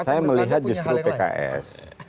saya melihat justru pks